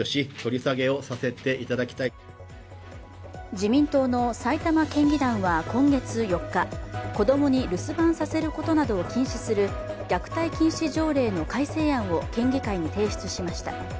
自民党の埼玉県議団は今月４日、子供に留守番させることなどを禁止する虐待禁止条例の改正案を県議会に提出しました